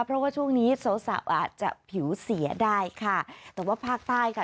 เพราะว่าช่วงนี้สาวสาวอาจจะผิวเสียได้ค่ะแต่ว่าภาคใต้ค่ะ